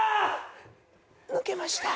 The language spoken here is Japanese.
抜けました。